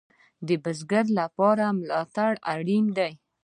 د بزګر لپاره ملاتړ اړین دی